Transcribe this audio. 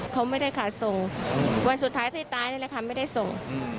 เขาไม่ได้ขาดส่งวันสุดท้ายที่ตายนี่แหละค่ะไม่ได้ส่ง